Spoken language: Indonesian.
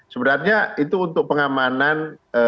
sebenarnya itu untuk pengamanan